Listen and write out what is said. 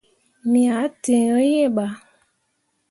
Me ah tǝǝ yo iŋ bah.